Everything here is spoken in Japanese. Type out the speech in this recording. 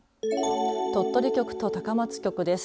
鳥取局と高松局です。